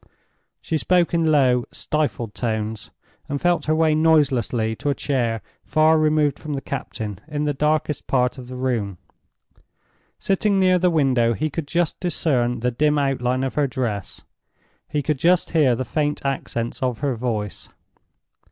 She spoke in low, stifled tones, and felt her way noiselessly to a chair far removed from the captain in the darkest part of the room. Sitting near the window, he could just discern the dim outline of her dress, he could just hear the faint accents of her voice.